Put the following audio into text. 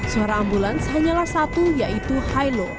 suara ambulans hanyalah satu yaitu high note